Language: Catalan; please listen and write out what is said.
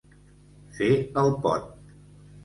Fer el pont.